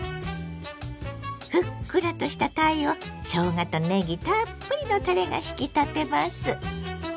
ふっくらとしたたいをしょうがとねぎたっぷりのたれが引き立てます。